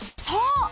そう。